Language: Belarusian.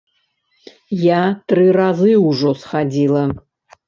Я тры разы ўжо схадзіла.